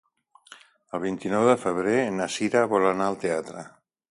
El vint-i-nou de febrer na Sira vol anar al teatre.